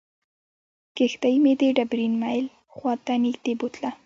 کښتۍ مې د ډبرین میل خواته نږدې بوتلله.